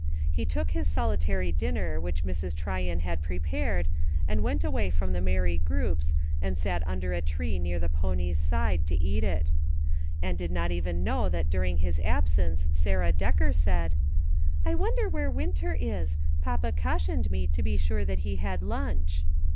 He took his solitary dinner which Mrs. Tryon had prepared, and went away from the merry groups and sat under a tree near the pony's side, to eat it ; and did not even know that during his absence Sara Decker said :" I wonder where Winter is ? Papa cautioned me to be sure that he had lunch."